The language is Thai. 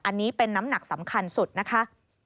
อันนี้เป็นน้ำหนักสำคัญสุดนะคะ